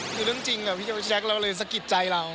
คือเรื่องจริงพี่แจ๊คเราเลยสะกิดใจเรา